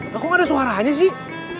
kok gak ada suaranya sih